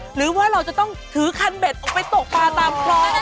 หรือว่าเราจะต้องถือคันเบ็ดออกไปตกปลาตามคลอง